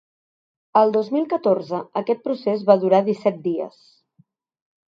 El dos mil catorze aquest procés va durar disset dies.